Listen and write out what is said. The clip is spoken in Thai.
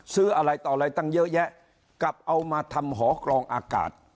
ซื้ออะไรต่ออะไรตั้งเยอะแยะกลับเอามาทำหอกรองอากาศ